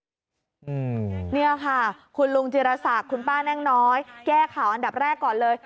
นี่ค่ะคุณลุงจิรษักคุณป้าแน่งน้อยแก้ข่าวอันดับแรกก่อนเลย